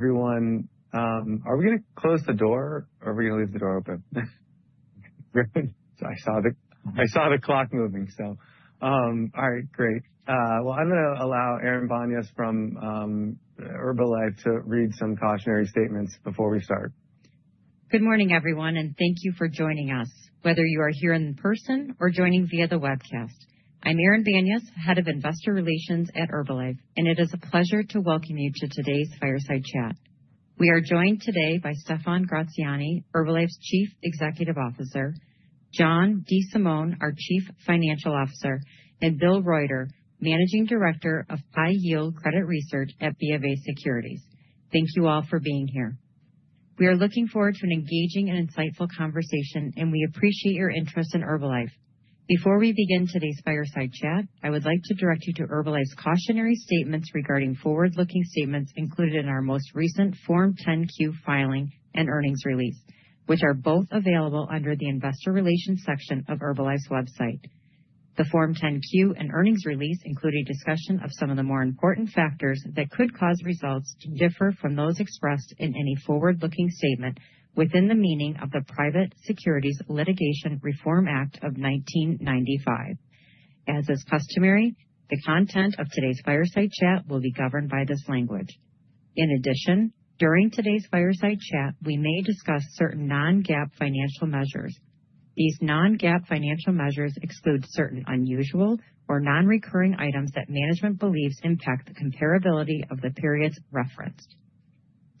Everyone, are we going to close the door, or are we going to leave the door open? I saw the clock moving, so. All right, great. I'm going to allow Erin Banyas from Herbalife to read some cautionary statements before we start. Good morning, everyone, and thank you for joining us, whether you are here in person or joining via the webcast. I'm Erin Banyas, Head of Investor Relations at Herbalife, and it is a pleasure to welcome you to today's Fireside Chat. We are joined today by Stephan Gratziani, Herbalife's Chief Executive Officer; John DeSimone, our Chief Financial Officer; and Bill Reuter, Managing Director of High Yield Credit Research at BofA Securities. Thank you all for being here. We are looking forward to an engaging and insightful conversation, and we appreciate your interest in Herbalife. Before we begin today's Fireside Chat, I would like to direct you to Herbalife's cautionary statements regarding forward-looking statements included in our most recent Form 10-Q filing and earnings release, which are both available under the Investor Relations section of Herbalife's website. The Form 10-Q and earnings release include a discussion of some of the more important factors that could cause results to differ from those expressed in any forward-looking statement within the meaning of the Private Securities Litigation Reform Act of 1995. As is customary, the content of today's Fireside Chat will be governed by this language. In addition, during today's Fireside Chat, we may discuss certain non-GAAP financial measures. These non-GAAP financial measures exclude certain unusual or non-recurring items that management believes impact the comparability of the periods referenced.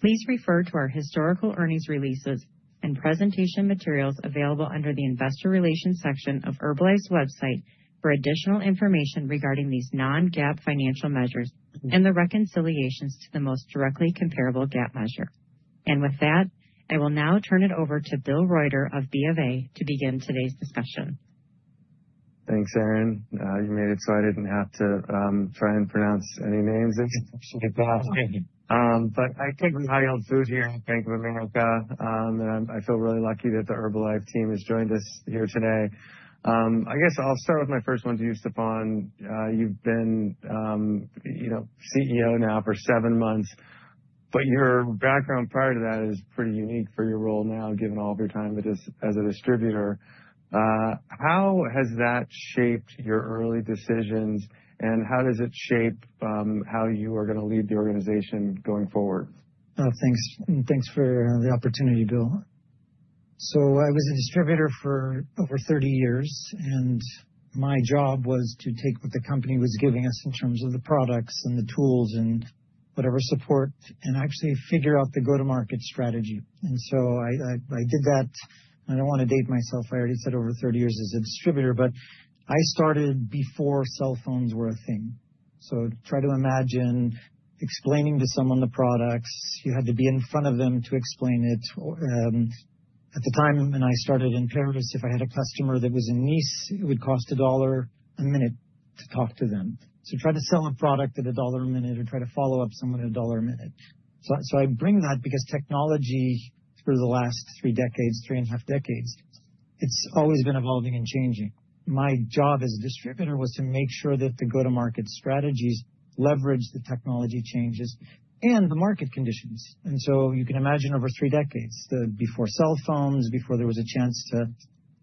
Please refer to our historical earnings releases and presentation materials available under the Investor Relations section of Herbalife's website for additional information regarding these non-GAAP financial measures and the reconciliations to the most directly comparable GAAP measure. I will now turn it over to Bill Reuter of BofA Securities to begin today's discussion. Thanks, Erin. You made it so I did not have to try and pronounce any names and stuff like that. I cooked my own food here in Bank of America, and I feel really lucky that the Herbalife team has joined us here today. I guess I will start with my first one to you, Stephan. You have been CEO now for seven months, but your background prior to that is pretty unique for your role now, given all of your time as a distributor. How has that shaped your early decisions, and how does it shape how you are going to lead the organization going forward? Oh, thanks. Thanks for the opportunity, Bill. I was a distributor for over 30 years, and my job was to take what the company was giving us in terms of the products and the tools and whatever support and actually figure out the go-to-market strategy. I did that. I do not want to date myself. I already said over 30 years as a distributor, but I started before cell phones were a thing. Try to imagine explaining to someone the products. You had to be in front of them to explain it. At the time when I started in Paris, if I had a customer that was in Nice, it would cost $1 a minute to talk to them. Try to sell a product at $1 a minute or try to follow up someone at $1 a minute. I bring that because technology through the last three decades, three and a half decades, it's always been evolving and changing. My job as a distributor was to make sure that the go-to-market strategies leveraged the technology changes and the market conditions. You can imagine over three decades, before cell phones, before there was a chance to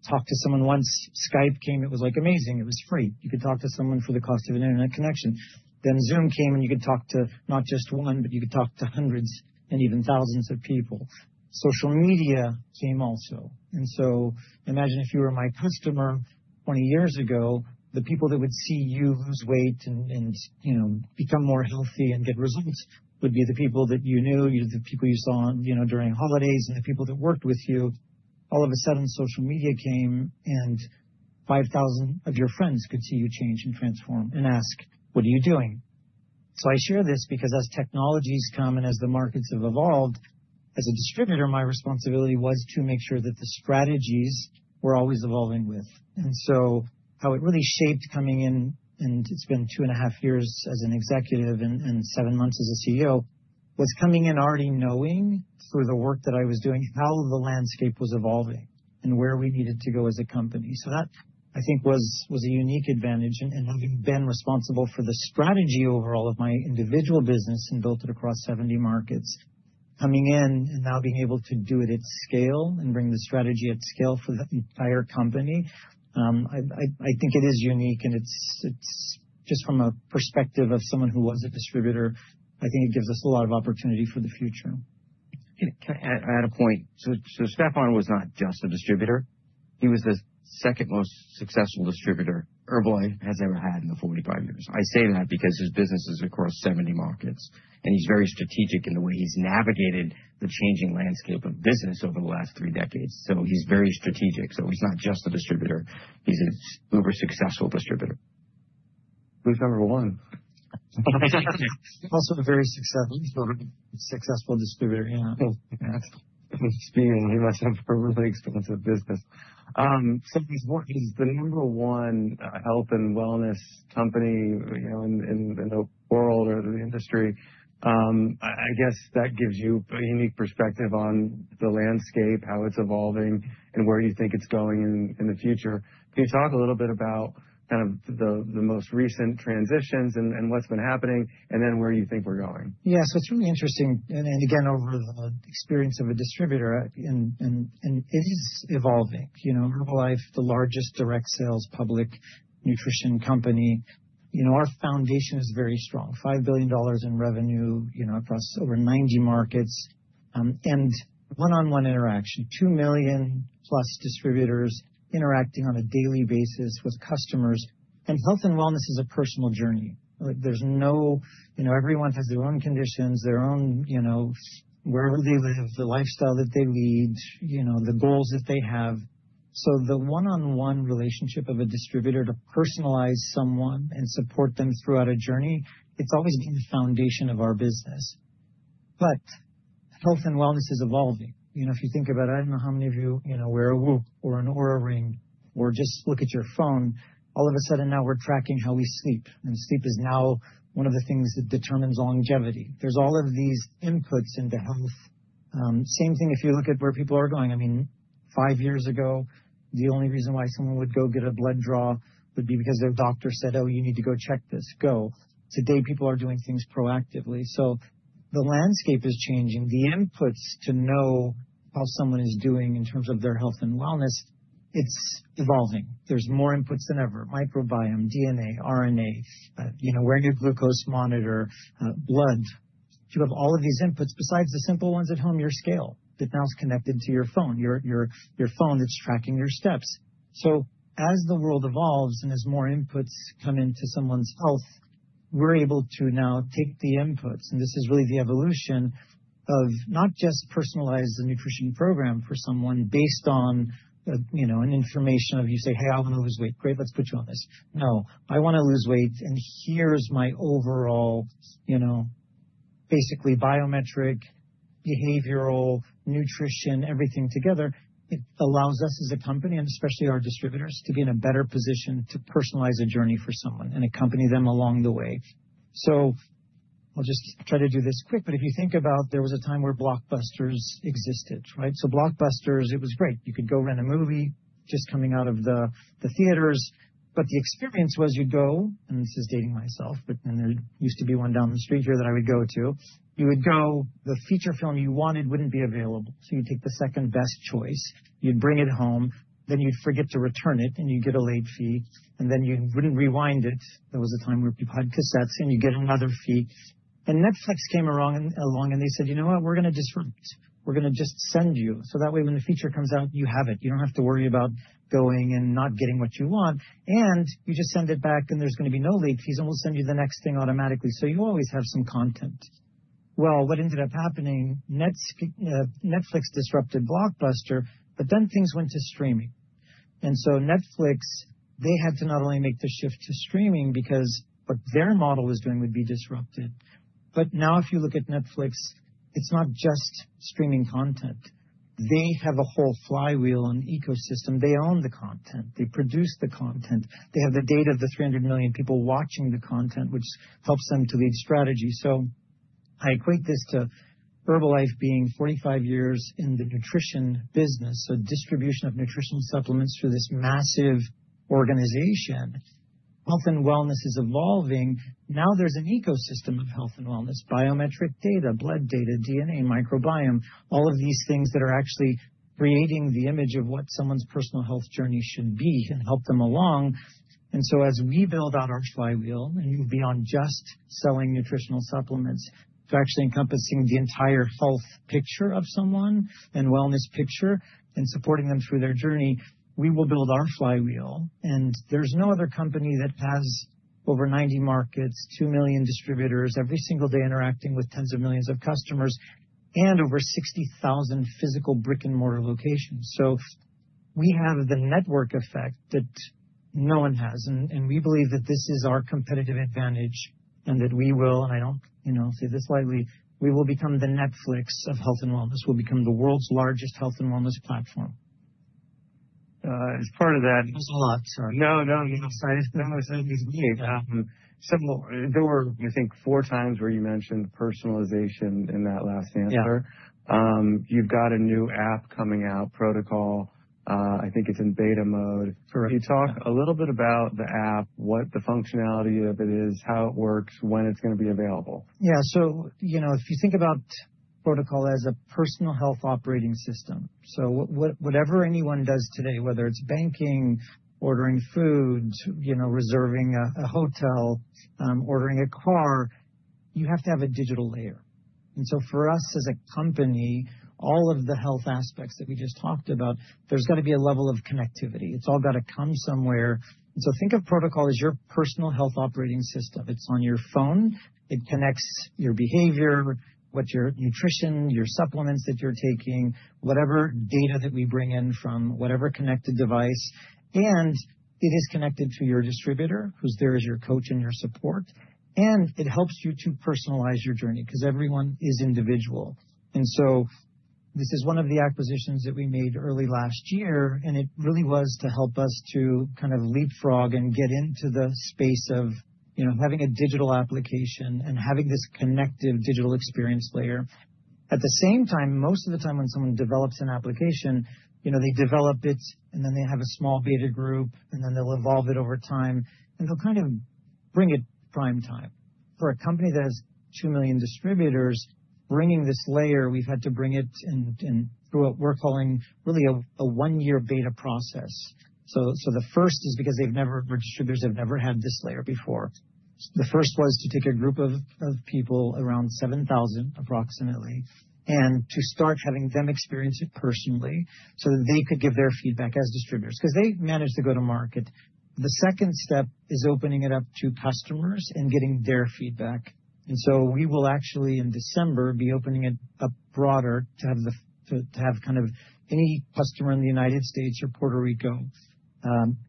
talk to someone once, Skype came. It was like amazing. It was free. You could talk to someone for the cost of an internet connection. Zoom came, and you could talk to not just one, but you could talk to hundreds and even thousands of people. Social media came also. Imagine if you were my customer 20 years ago, the people that would see you lose weight and become more healthy and get results would be the people that you knew, the people you saw during holidays, and the people that worked with you. All of a sudden, social media came, and 5,000 of your friends could see you change and transform and ask, "What are you doing?" I share this because as technologies come and as the markets have evolved, as a distributor, my responsibility was to make sure that the strategies were always evolving with. How it really shaped coming in, and it's been two and a half years as an executive and seven months as CEO, was coming in already knowing through the work that I was doing how the landscape was evolving and where we needed to go as a company. That, I think, was a unique advantage. Having been responsible for the strategy overall of my individual business and built it across 70 markets, coming in and now being able to do it at scale and bring the strategy at scale for the entire company, I think it is unique. Just from a perspective of someone who was a distributor, I think it gives us a lot of opportunity for the future. Can I add a point? Stephan was not just a distributor. He was the second most successful distributor Herbalife has ever had in the 45 years. I say that because his business has across 70 markets, and he's very strategic in the way he's navigated the changing landscape of business over the last three decades. He's very strategic. He's not just a distributor. He's an uber-successful distributor. Who's number one? Also a very successful distributor, yeah. Speaking of him, he must have a really expensive business. Something important is the number one health and wellness company in the world or the industry. I guess that gives you a unique perspective on the landscape, how it's evolving, and where you think it's going in the future. Can you talk a little bit about kind of the most recent transitions and what's been happening, and then where you think we're going? Yeah, so it's really interesting. Again, over the experience of a distributor, and it is evolving. Herbalife, the largest direct sales public nutrition company, our foundation is very strong: $5 billion in revenue across over 90 markets and one-on-one interaction, 2 million-plus distributors interacting on a daily basis with customers. Health and wellness is a personal journey. There's no—everyone has their own conditions, their own where they live, the lifestyle that they lead, the goals that they have. The one-on-one relationship of a distributor to personalize someone and support them throughout a journey, it's always been the foundation of our business. Health and wellness is evolving. If you think about it, I don't know how many of you wear a Whoop or an Oura Ring or just look at your phone. All of a sudden, now we're tracking how we sleep. Sleep is now one of the things that determines longevity. There are all of these inputs into health. Same thing if you look at where people are going. I mean, five years ago, the only reason why someone would go get a blood draw would be because their doctor said, "Oh, you need to go check this. Go." Today, people are doing things proactively. The landscape is changing. The inputs to know how someone is doing in terms of their health and wellness, it's evolving. There are more inputs than ever: microbiome, DNA, RNA, your glucose monitor, blood. You have all of these inputs besides the simple ones at home, your scale that now is connected to your phone, your phone that's tracking your steps. As the world evolves and as more inputs come into someone's health, we're able to now take the inputs. This is really the evolution of not just personalizing the nutrition program for someone based on information of you say, "Hey, I want to lose weight." Great, let's put you on this. No, I want to lose weight. And here's my overall, basically biometric, behavioral, nutrition, everything together. It allows us as a company, and especially our distributors, to be in a better position to personalize a journey for someone and accompany them along the way. I'll just try to do this quick, but if you think about there was a time where Blockbuster existed, right? Blockbuster, it was great. You could go rent a movie just coming out of the theaters. The experience was you'd go, and this is dating myself, but there used to be one down the street here that I would go to. You would go, the feature film you wanted would not be available. You would take the second-best choice. You would bring it home, then you would forget to return it, and you would get a late fee. Then you would not rewind it. There was a time where people had cassettes, and you would get another fee. Netflix came along, and they said, "You know what? We are going to disrupt. We are going to just send you. That way, when the feature comes out, you have it. You do not have to worry about going and not getting what you want. You just send it back, and there are going to be no late fees, and we will send you the next thing automatically." You always have some content. What ended up happening? Netflix disrupted Blockbuster, but then things went to streaming. Netflix had to not only make the shift to streaming because what their model was doing would be disrupted. Now, if you look at Netflix, it's not just streaming content. They have a whole flywheel and ecosystem. They own the content. They produce the content. They have the data of the 300 million people watching the content, which helps them to lead strategy. I equate this to Herbalife being 45 years in the nutrition business, a distribution of nutritional supplements through this massive organization. Health and wellness is evolving. Now there's an ecosystem of health and wellness: biometric data, blood data, DNA, microbiome, all of these things that are actually creating the image of what someone's personal health journey should be and help them along. As we build out our flywheel, and we will be on just selling nutritional supplements to actually encompassing the entire health picture of someone and wellness picture and supporting them through their journey, we will build our flywheel. There is no other company that has over 90 markets, 2 million distributors every single day interacting with tens of millions of customers, and over 60,000 physical brick-and-mortar locations. We have the network effect that no one has. We believe that this is our competitive advantage and that we will, and I do not say this lightly, we will become the Netflix of health and wellness. We will become the world's largest health and wellness platform. As part of that. That was a lot, sorry. No, no, no. There were, I think, four times where you mentioned personalization in that last answer. You've got a new app coming out, Protocol. I think it's in beta mode. Can you talk a little bit about the app, what the functionality of it is, how it works, when it's going to be available? Yeah. If you think about Protocol as a personal health operating system, whatever anyone does today, whether it's banking, ordering food, reserving a hotel, ordering a car, you have to have a digital layer. For us as a company, all of the health aspects that we just talked about, there's got to be a level of connectivity. It's all got to come somewhere. Think of Protocol as your personal health operating system. It's on your phone. It connects your behavior, your nutrition, your supplements that you're taking, whatever data that we bring in from whatever connected device. It is connected to your distributor, who's there as your coach and your support. It helps you to personalize your journey because everyone is individual. This is one of the acquisitions that we made early last year, and it really was to help us to kind of leapfrog and get into the space of having a digital application and having this connective digital experience layer. At the same time, most of the time when someone develops an application, they develop it, and then they have a small beta group, and then they'll evolve it over time, and they'll kind of bring it prime time. For a company that has 2 million distributors, bringing this layer, we've had to bring it in through what we're calling really a one-year beta process. The first is because distributors have never had this layer before. The first was to take a group of people, around 7,000 approximately, and to start having them experience it personally so that they could give their feedback as distributors because they managed to go to market. The second step is opening it up to customers and getting their feedback. We will actually in December be opening it up broader to have kind of any customer in the United States or Puerto Rico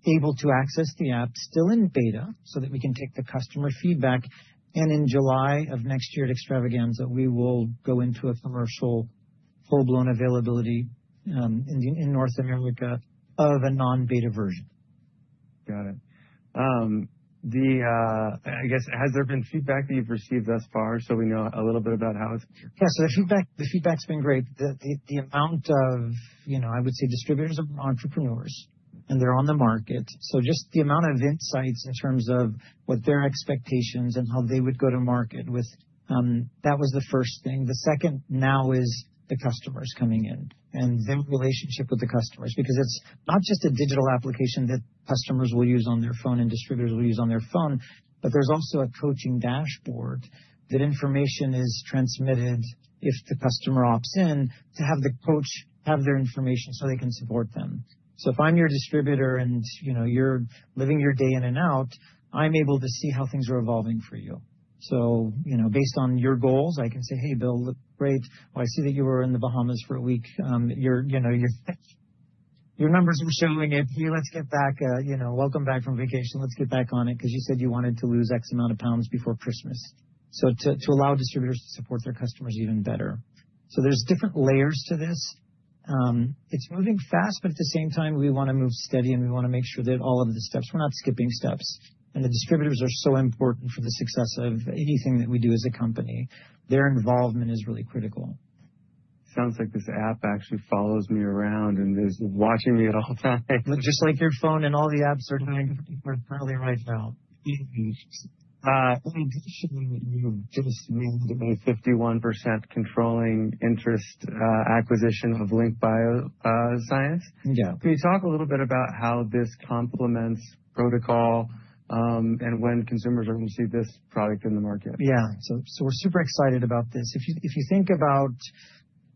able to access the app still in beta so that we can take the customer feedback. In July of next year at Extravaganza, we will go into a commercial full-blown availability in North America of a non-beta version. Got it. I guess, has there been feedback that you've received thus far? We know a little bit about how it's. Yeah, so the feedback's been great. The amount of, I would say, distributors are entrepreneurs, and they're on the market. Just the amount of insights in terms of what their expectations and how they would go to market with, that was the first thing. The second now is the customers coming in and their relationship with the customers because it's not just a digital application that customers will use on their phone and distributors will use on their phone, but there's also a coaching dashboard that information is transmitted if the customer opts in to have the coach have their information so they can support them. If I'm your distributor and you're living your day in and out, I'm able to see how things are evolving for you. Based on your goals, I can say, "Hey, Bill, great. I see that you were in the Bahamas for a week. Your numbers were showing it. Let's get back. Welcome back from vacation. Let's get back on it because you said you wanted to lose X amount of pounds before Christmas. To allow distributors to support their customers even better, there are different layers to this. It's moving fast, but at the same time, we want to move steady, and we want to make sure that all of the steps, we're not skipping steps. The distributors are so important for the success of anything that we do as a company. Their involvement is really critical. Sounds like this app actually follows me around and is watching me at all times. Just like your phone and all the apps are doing currently right now. In addition, you just named a 51% controlling interest acquisition of Link BioSciences. Can you talk a little bit about how this complements Protocol and when consumers are going to see this product in the market? Yeah. We are super excited about this. If you think about,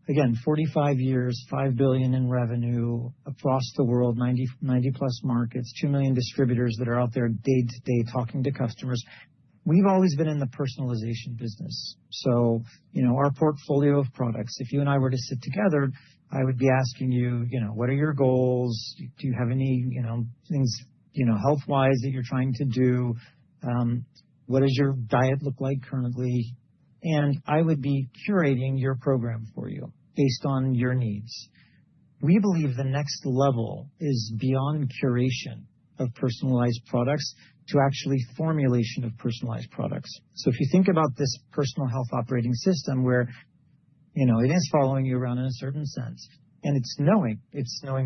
again, 45 years, $5 billion in revenue across the world, 90-plus markets, 2 million distributors that are out there day-to-day talking to customers. We have always been in the personalization business. Our portfolio of products, if you and I were to sit together, I would be asking you, "What are your goals? Do you have any things health-wise that you are trying to do? What does your diet look like currently?" I would be curating your program for you based on your needs. We believe the next level is beyond curation of personalized products to actually formulation of personalized products. If you think about this personal health operating system where it is following you around in a certain sense, and it's knowing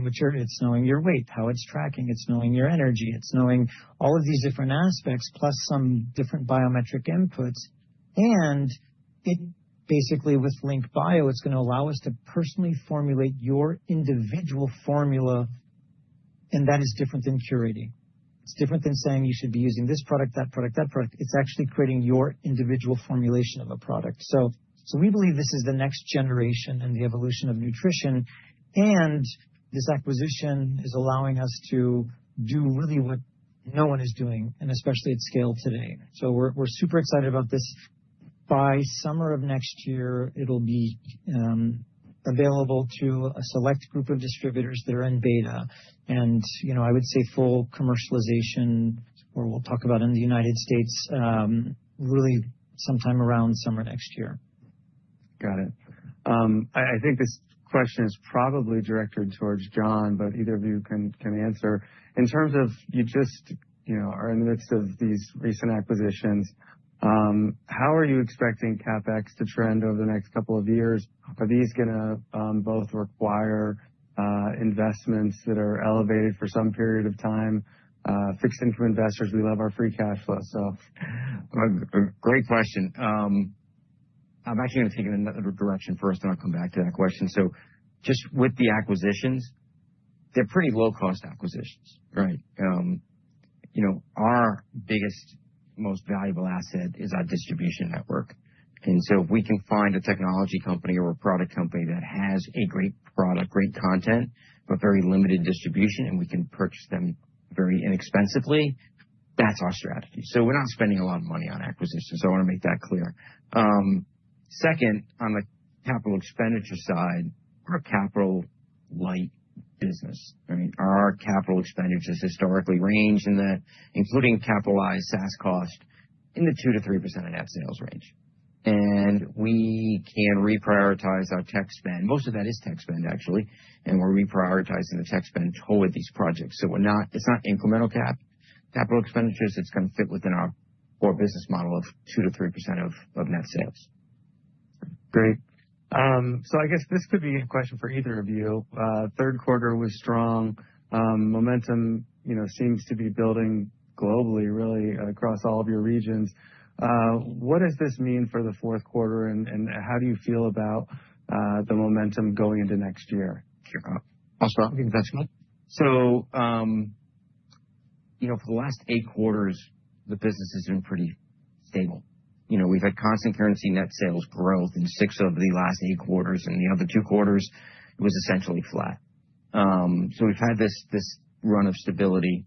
what you're eating, it's knowing your weight, how it's tracking, it's knowing your energy, it's knowing all of these different aspects, plus some different biometric inputs. Basically, with Link Bio, it's going to allow us to personally formulate your individual formula. That is different than curating. It's different than saying you should be using this product, that product, that product. It's actually creating your individual formulation of a product. We believe this is the next generation and the evolution of nutrition. This acquisition is allowing us to do really what no one is doing, and especially at scale today. We're super excited about this. By summer of next year, it'll be available to a select group of distributors that are in beta. I would say full commercialization, or we'll talk about in the United States, really sometime around summer next year. Got it. I think this question is probably directed towards John, but either of you can answer. In terms of you just are in the midst of these recent acquisitions, how are you expecting CapEx to trend over the next couple of years? Are these going to both require investments that are elevated for some period of time? Fixed income investors, we love our free cash flow, so. Great question. I'm actually going to take it in another direction first, and I'll come back to that question. Just with the acquisitions, they're pretty low-cost acquisitions, right? Our biggest, most valuable asset is our distribution network. If we can find a technology company or a product company that has a great product, great content, but very limited distribution, and we can purchase them very inexpensively, that's our strategy. We're not spending a lot of money on acquisitions. I want to make that clear. Second, on the capital expenditure side, we're a capital-light business, right? Our capital expenditures historically range in the, including capitalized SaaS cost, in the 2-3% of net sales range. We can reprioritize our tech spend. Most of that is tech spend, actually. We're reprioritizing the tech spend toward these projects. It's not incremental capital expenditures. It's going to fit within our core business model of 2-3% of net sales. Great. I guess this could be a question for either of you. Third quarter was strong. Momentum seems to be building globally, really, across all of your regions. What does this mean for the fourth quarter, and how do you feel about the momentum going into next year? I'll start with investment. For the last eight quarters, the business has been pretty stable. We've had constant currency net sales growth in six of the last eight quarters. In the other two quarters, it was essentially flat. We've had this run of stability.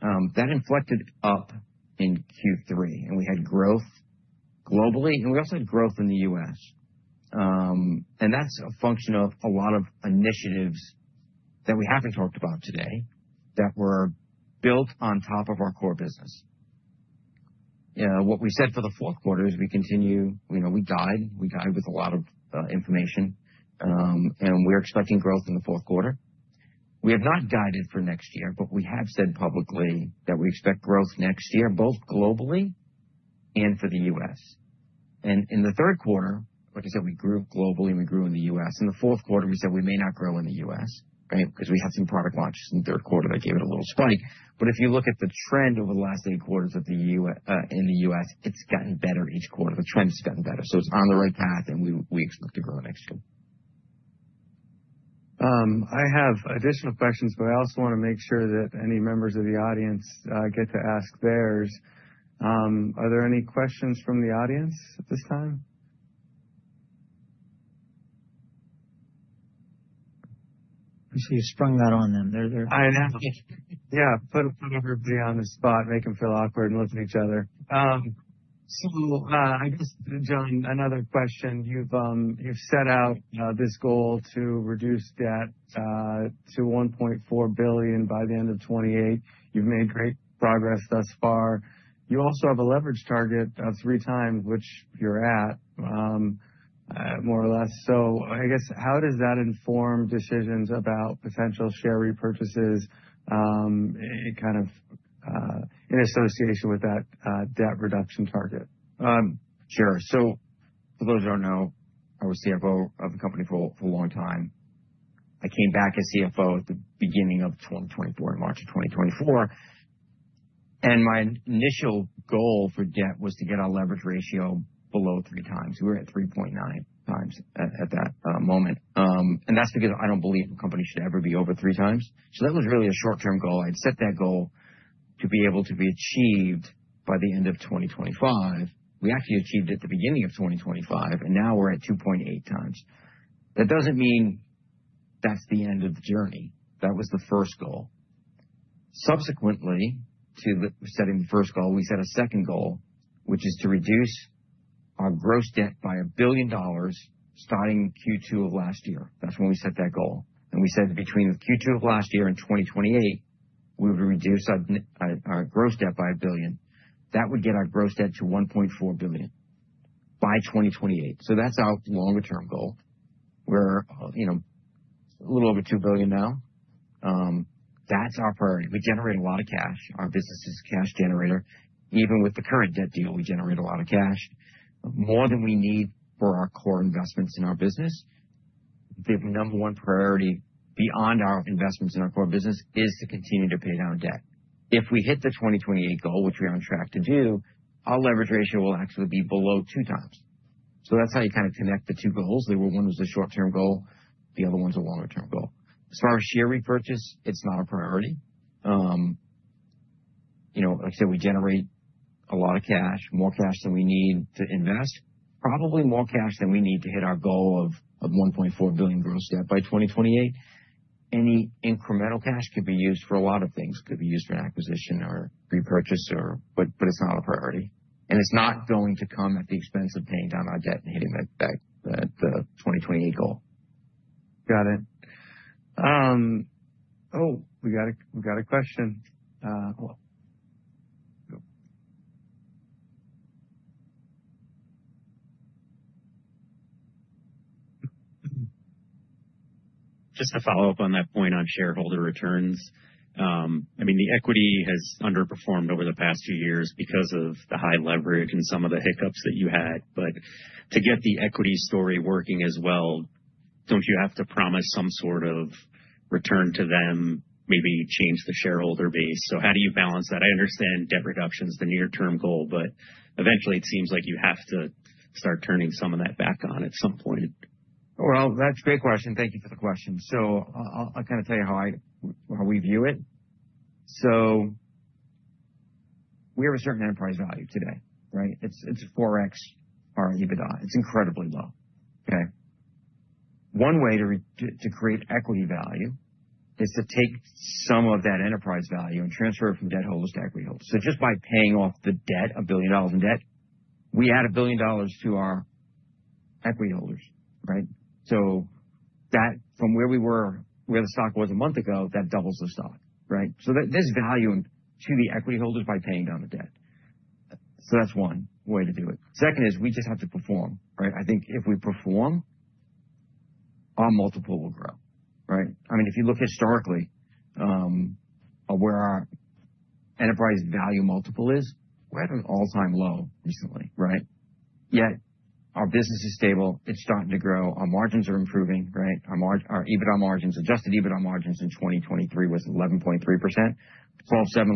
That inflected up in Q3, and we had growth globally, and we also had growth in the US. That's a function of a lot of initiatives that we haven't talked about today that were built on top of our core business. What we said for the fourth quarter is we continue, we guide, we guide with a lot of information, and we're expecting growth in the fourth quarter. We have not guided for next year, but we have said publicly that we expect growth next year, both globally and for the US. In the third quarter, like I said, we grew globally, and we grew in the U.S. In the fourth quarter, we said we may not grow in the U.S., right, because we had some product launches in the third quarter that gave it a little spike. If you look at the trend over the last eight quarters in the U.S., it's gotten better each quarter. The trend has gotten better. It's on the right path, and we expect to grow next year. I have additional questions, but I also want to make sure that any members of the audience get to ask theirs. Are there any questions from the audience at this time? I see you've sprung that on them. They're. I know. Yeah, put everybody on the spot, make them feel awkward and look at each other. I guess, John, another question. You've set out this goal to reduce debt to $1.4 billion by the end of 2028. You've made great progress thus far. You also have a leverage target of three times, which you're at, more or less. I guess, how does that inform decisions about potential share repurchases kind of in association with that debt reduction target? Sure. For those who do not know, I was CFO of the company for a long time. I came back as CFO at the beginning of 2024, in March of 2024. My initial goal for debt was to get our leverage ratio below three times. We were at 3.9 times at that moment. That is because I do not believe a company should ever be over three times. That was really a short-term goal. I set that goal to be able to be achieved by the end of 2025. We actually achieved it at the beginning of 2025, and now we are at 2.8 times. That does not mean that is the end of the journey. That was the first goal. Subsequently to setting the first goal, we set a second goal, which is to reduce our gross debt by a billion dollars starting Q2 of last year. That's when we set that goal. We said between Q2 of last year and 2028, we would reduce our gross debt by $1 billion. That would get our gross debt to $1.4 billion by 2028. That's our longer-term goal. We're a little over $2 billion now. That's our priority. We generate a lot of cash. Our business is a cash generator. Even with the current debt deal, we generate a lot of cash, more than we need for our core investments in our business. The number one priority beyond our investments in our core business is to continue to pay down debt. If we hit the 2028 goal, which we are on track to do, our leverage ratio will actually be below two times. That's how you kind of connect the two goals. One was a short-term goal. The other one's a longer-term goal. As far as share repurchase, it's not a priority. Like I said, we generate a lot of cash, more cash than we need to invest, probably more cash than we need to hit our goal of $1.4 billion gross debt by 2028. Any incremental cash could be used for a lot of things. It could be used for an acquisition or repurchase, but it's not a priority. It's not going to come at the expense of paying down our debt and hitting the 2028 goal. Got it. Oh, we got a question. Just to follow up on that point on shareholder returns. I mean, the equity has underperformed over the past few years because of the high leverage and some of the hiccups that you had. To get the equity story working as well, do not you have to promise some sort of return to them, maybe change the shareholder base? How do you balance that? I understand debt reduction is the near-term goal, but eventually, it seems like you have to start turning some of that back on at some point. That's a great question. Thank you for the question. I'll kind of tell you how we view it. We have a certain enterprise value today, right? It's 4X our EBITDA. It's incredibly low, okay? One way to create equity value is to take some of that enterprise value and transfer it from debt holders to equity holders. Just by paying off the debt, $1 billion in debt, we add $1 billion to our equity holders, right? From where we were, where the stock was a month ago, that doubles the stock, right? There's value to the equity holders by paying down the debt. That's one way to do it. Second is we just have to perform, right? I think if we perform, our multiple will grow, right? I mean, if you look historically at where our enterprise value multiple is, we're at an all-time low recently, right? Yet our business is stable. It's starting to grow. Our margins are improving, right? Our EBITDA margins, adjusted EBITDA margins in 2023 was 11.3%, 12.7%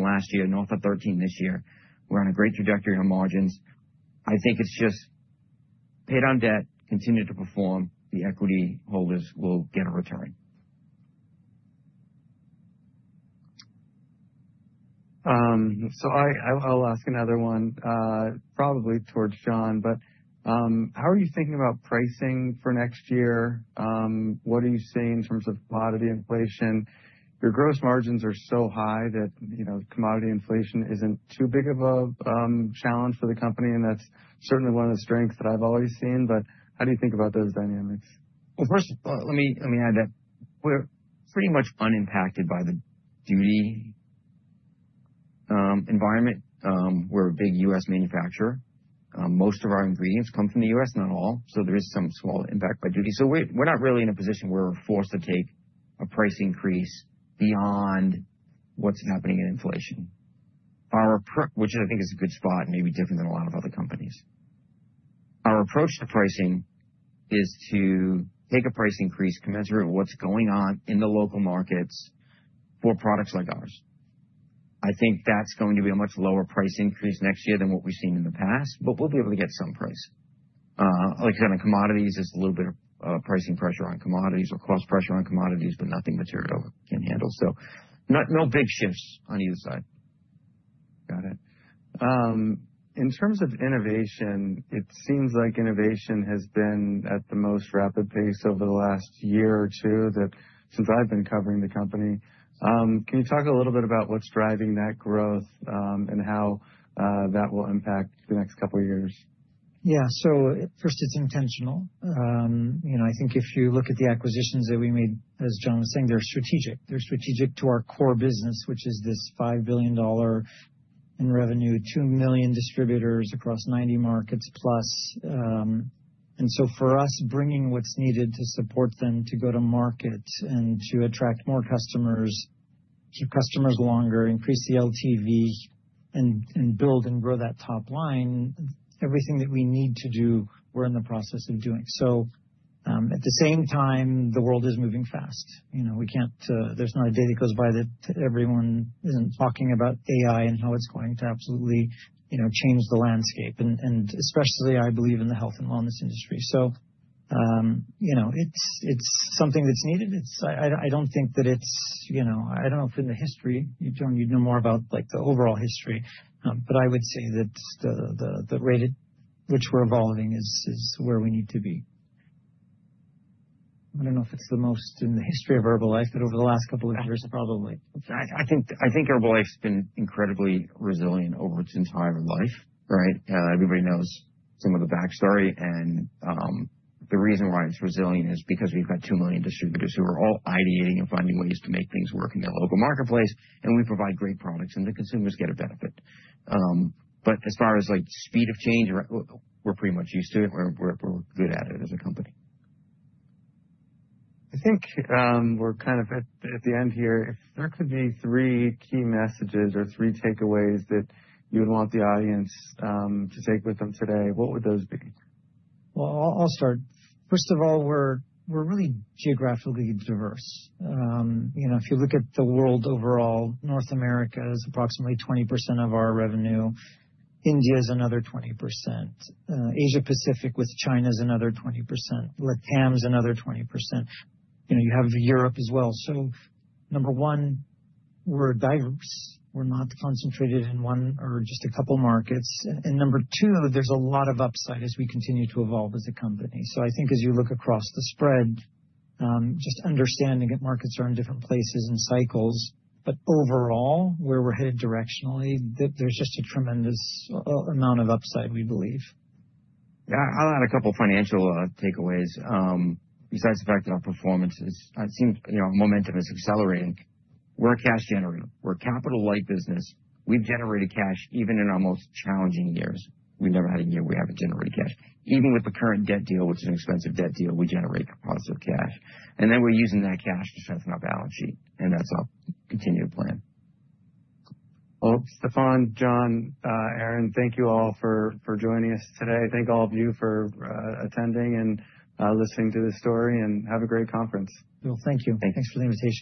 last year, north of 13% this year. We're on a great trajectory on margins. I think it's just pay down debt, continue to perform. The equity holders will get a return. I'll ask another one, probably towards John, but how are you thinking about pricing for next year? What are you seeing in terms of commodity inflation? Your gross margins are so high that commodity inflation isn't too big of a challenge for the company, and that's certainly one of the strengths that I've always seen. How do you think about those dynamics? First of all, let me add that we're pretty much unimpacted by the duty environment. We're a big US manufacturer. Most of our ingredients come from the US, not all. There is some small impact by duty. We're not really in a position where we're forced to take a price increase beyond what's happening in inflation, which I think is a good spot, maybe different than a lot of other companies. Our approach to pricing is to take a price increase commensurate with what's going on in the local markets for products like ours. I think that's going to be a much lower price increase next year than what we've seen in the past, but we'll be able to get some price. Like kind of commodities, there's a little bit of pricing pressure on commodities or cost pressure on commodities, but nothing material can handle. No big shifts on either side. Got it. In terms of innovation, it seems like innovation has been at the most rapid pace over the last year or two since I've been covering the company. Can you talk a little bit about what's driving that growth and how that will impact the next couple of years? Yeah. First, it's intentional. I think if you look at the acquisitions that we made, as John was saying, they're strategic. They're strategic to our core business, which is this $5 billion in revenue, 2 million distributors across 90 markets plus. For us, bringing what's needed to support them to go to market and to attract more customers, keep customers longer, increase the LTV, and build and grow that top line, everything that we need to do, we're in the process of doing. At the same time, the world is moving fast. There's not a day that goes by that everyone isn't talking about AI and how it's going to absolutely change the landscape, and especially I believe in the health and wellness industry. It's something that's needed. I don't think that it's—I don't know if in the history, John, you'd know more about the overall history, but I would say that the rate at which we're evolving is where we need to be. I don't know if it's the most in the history of Herbalife, but over the last couple of years, probably. I think Herbalife's been incredibly resilient over its entire life, right? Everybody knows some of the backstory. The reason why it's resilient is because we've got 2 million distributors who are all ideating and finding ways to make things work in their local marketplace, and we provide great products, and the consumers get a benefit. As far as speed of change, we're pretty much used to it. We're good at it as a company. I think we're kind of at the end here. If there could be three key messages or three takeaways that you would want the audience to take with them today, what would those be? I'll start. First of all, we're really geographically diverse. If you look at the world overall, North America is approximately 20% of our revenue. India is another 20%. Asia-Pacific with China is another 20%. With TAMS, another 20%. You have Europe as well. Number one, we're diverse. We're not concentrated in one or just a couple of markets. Number two, there's a lot of upside as we continue to evolve as a company. I think as you look across the spread, just understanding that markets are in different places and cycles, but overall, where we're headed directionally, there's just a tremendous amount of upside, we believe. Yeah. I'll add a couple of financial takeaways. Besides the fact that our performance is—it seems our momentum is accelerating. We're a cash generator. We're a capital-light business. We've generated cash even in our most challenging years. We've never had a year we haven't generated cash. Even with the current debt deal, which is an expensive debt deal, we generate positive cash. We're using that cash to strengthen our balance sheet. That's our continued plan. Stephan, John, Aaron, thank you all for joining us today. Thank all of you for attending and listening to this story, and have a great conference. Thank you. Thanks for the invitation.